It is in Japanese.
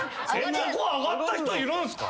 ここ上がった人いるんすか？